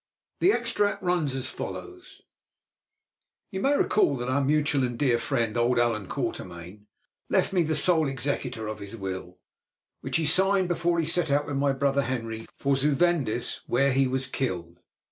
This extract runs as follows:— "You may recall that our mutual and dear friend, old Allan Quatermain, left me the sole executor of his will, which he signed before he set out with my brother Henry for Zuvendis, where he was killed.